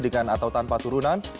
dengan atau tanpa turunan